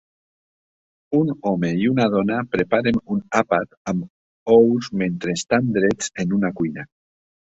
Un home i una dona preparen un àpat amb ous mentre estan drets en una cuina.